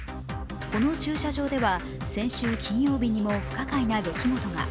この駐車場では先週金曜日にも不可解な出来事が。